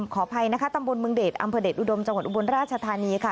ขออภัยนะคะตำบลเมืองเดชอำเภอเดชอุดมจังหวัดอุบลราชธานีค่ะ